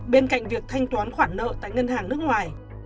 bên cạnh việc thanh toán khoản nợ tại ngân hàng nước ngoài